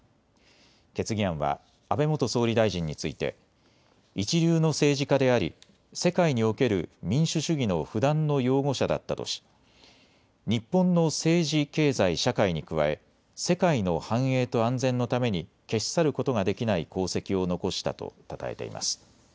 決議案は安倍元総理大臣について一流の政治家であり世界における民主主義の不断の擁護者だったとし日本の政治、経済、社会に加え世界の繁栄と安全のために消し去ることができない功績を残したとたたえています。